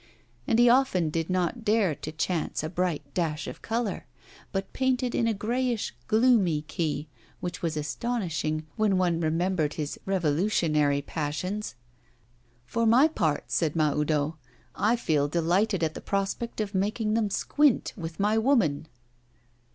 And he often did not dare to chance a bright dash of colour, but painted in a greyish gloomy key which was astonishing, when one remembered his revolutionary passions. 'For my part,' said Mahoudeau, 'I feel delighted at the prospect of making them squint with my woman.